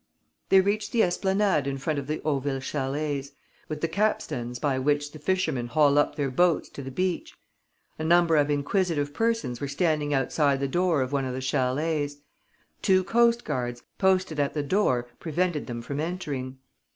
They reached the esplanade in front of the Hauville chalets, with the capstans by which the fishermen haul up their boats to the beach. A number of inquisitive persons were standing outside the door of one of the chalets. Two coastguards, posted at the door, prevented them from entering.